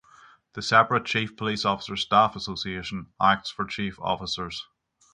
The separate Chief Police Officers Staff Association acts for chief officers.